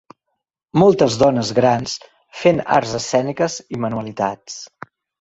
moltes dones grans fent arts escèniques i manualitats